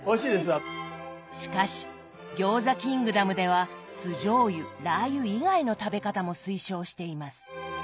しかし餃子キングダムでは酢じょうゆラー油以外の食べ方も推奨しています。